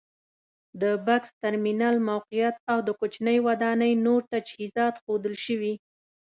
د بکس ترمینل موقعیت او د کوچنۍ ودانۍ نور تجهیزات ښودل شوي.